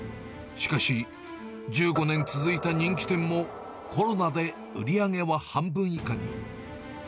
しかし、１５年続いた人気店も、コロナで売り上げは半分以下に。